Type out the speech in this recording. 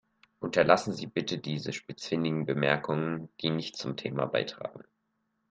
Unterlassen Sie bitte diese spitzfindigen Bemerkungen, die nichts zum Thema beitragen.